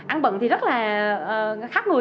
ăn bận thì rất là khác người